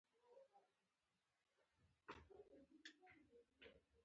خوب د بدن د ټول نظام لپاره مهم دی